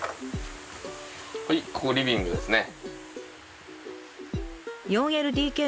はいここリビングですね。